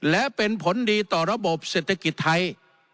และเป็นผลดีต่อระบบเศรษฐกิจไทย